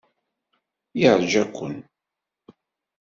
Yeṛja-ken.